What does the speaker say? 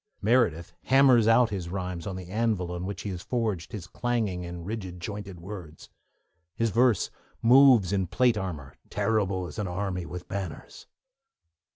Meredith hammers out his rhymes on the anvil on which he has forged his clanging and rigid jointed words. His verse moves in plate armour, 'terrible as an army with banners.'